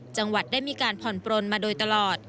จังหวัดได้มีการผ่อนปลนมาโดยตลอด